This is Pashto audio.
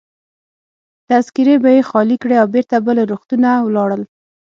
تذکیرې به يې خالي کړې او بیرته به له روغتونه ولاړل.